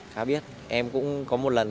khá biết em cũng có một lần